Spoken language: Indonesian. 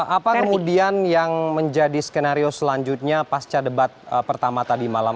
apa kemudian yang menjadi skenario selanjutnya pasca debat pertama tadi malam